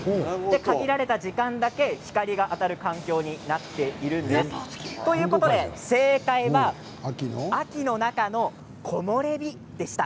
限られた時間だけ光が当たる環境になっているんです。ということで、正解は秋の中の木漏れ日でした。